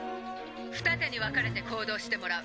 「二手に分かれて行動してもらう。